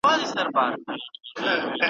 شپاړس مي لمسي دي یو تر بله راته ګران دي ,